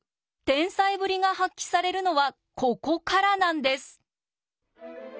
天才ぶりが発揮されるのはここからなんです。